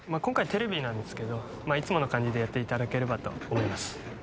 今回テレビなんですけどいつもの感じでやっていただければと思います。